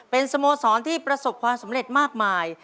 เป็นสโมสรที่ประสบความสำเร็จมากมาย